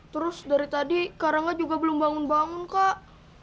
terus dari tadi karanga juga belum bangun bangun kak